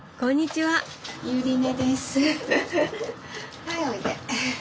はいおいで。